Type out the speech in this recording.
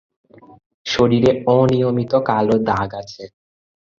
শরীরে অনিয়মিত কালো দাগ আছে।